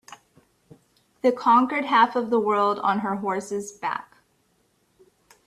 The conquered half of the world on her horse's back.